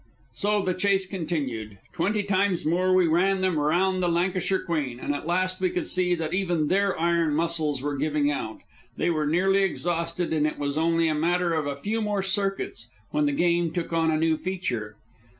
So the chase continued. Twenty times more we ran them around the Lancashire Queen, and at last we could see that even their iron muscles were giving out. They were nearly exhausted, and it was only a matter of a few more circuits, when the game took on a new feature.